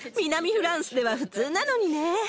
フランスでは普通なのにね。